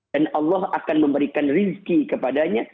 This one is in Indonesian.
dan allah akan memberikan rezeki kepadanya